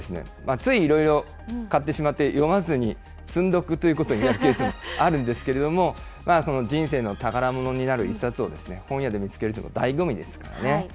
ついいろいろ買ってしまって、読まずに積ん読ということになっていることもあるんですけれども、人生の宝物になる一冊を本屋で見つけるということもだいご味ですからね。